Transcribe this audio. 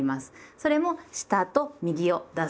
それも下と右を出す。